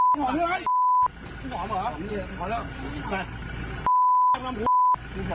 มันหอมเหรอหอมหรือเปล่าหอมหรือเปล่าหอมหรือเปล่า